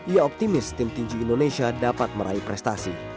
ia optimis tim tinju indonesia dapat meraih prestasi